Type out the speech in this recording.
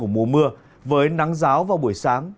của mùa mưa với nắng giáo vào buổi sáng